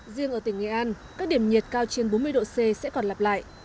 riêng ở tỉnh nghệ an các điểm nhiệt cao trên bốn mươi độ c sẽ còn lặp lại